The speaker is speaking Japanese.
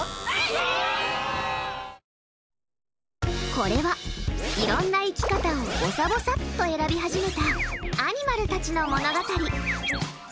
これは、いろんな生き方をぼさぼさっと選び始めたアニマルたちの物語。